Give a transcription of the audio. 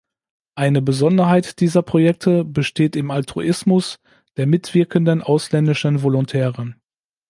Eine Besonderheit dieser Projekte besteht im Altruismus der mitwirkenden ausländischen Volontäre.